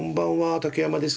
竹山です。